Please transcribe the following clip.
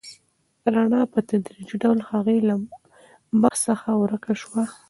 رڼا په تدریجي ډول د هغې له مخ څخه ورکه شوه.